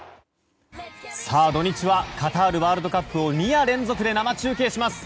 土日はカタールワールドカップを２夜連続で生中継します。